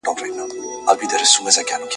دا دغرونو لوړي څوکي !.